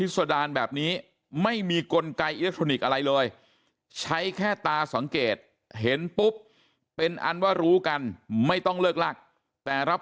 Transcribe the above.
สตาส่วนเกดเห็นปุ๊บเป็นอันว่ารู้กันไม่ต้องเลิกรักแต่รับ